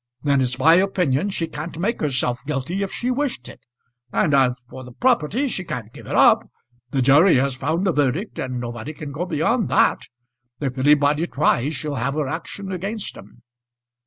"Then it's my opinion she can't make herself guilty if she wished it; and as for the property, she can't give it up. The jury has found a verdict, and nobody can go beyond that. If anybody tries she'll have her action against 'em."